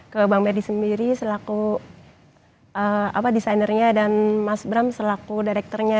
ke bang merdi sendiri selaku desainernya dan mas bram selaku direkturnya